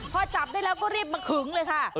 พอจับได้แล้วก็รีบมาขึงเลยค่ะ